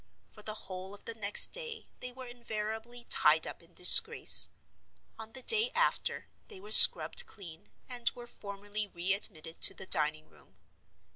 For the whole of the next day they were invariably tied up in disgrace. On the day after they were scrubbed clean, and were formally re admitted to the dining room.